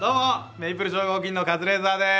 メイプル超合金のカズレーザーです。